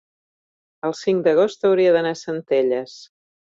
el cinc d'agost hauria d'anar a Centelles.